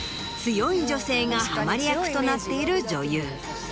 がハマり役となっている女優。